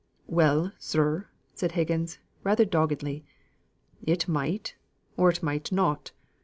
"Well, sir," said Higgins, rather doggedly; "it might, or it might not.